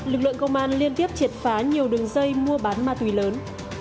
lực lượng công an liên tiếp triệt phá nhiều đường dây mua bán ma túy lớn